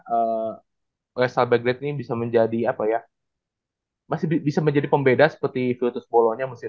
eh wesal bekerja ini bisa menjadi apa ya masih bisa menjadi pembeda seperti putus polonya musim